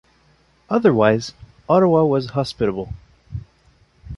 Otherwise, Ottawa was hospitable.